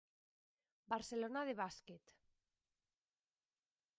Barcelona de bàsquet.